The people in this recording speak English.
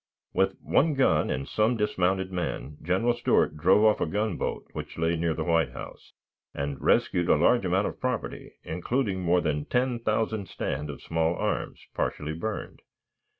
With one gun and some dismounted men General Stuart drove off a gunboat, which lay near the White House, and rescued a large amount of property, including more than ten thousand stand of small arms, partially burned.